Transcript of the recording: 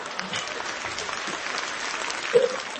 南朝时就有插茱萸辟邪的记载。